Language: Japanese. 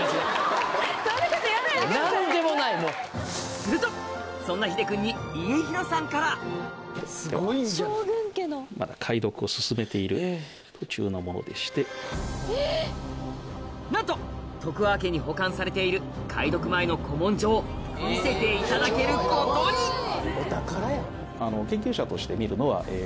するとそんな秀君になんと徳川家に保管されている解読前の古文書を見せていただけることにはっ！